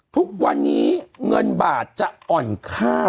ทุกวันนี้เงินบาทจะอ่อนค่า